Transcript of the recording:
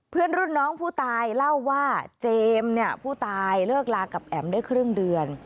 เพื่อนรุ่นน้องผู้ตายเล่าว่าเจมส์เนี่ยผู้ตายเลิกลากับแอ๋มได้ครึ่งเดือน